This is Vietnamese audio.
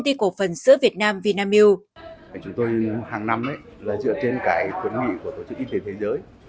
viên dân sữa việt nam vnmu chúng tôi hàng năm dựa trên tuyến nghị của tổ chức y tế thế giới